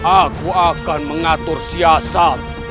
aku akan mengatur siasat